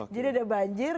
jadi ada banjir